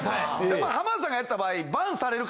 やっぱ浜田さんがやった場合。